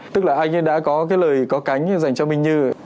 tức là anh ấy đã có cái lời có cánh dành cho minh như